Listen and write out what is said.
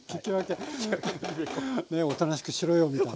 ねおとなしくしろよみたいな。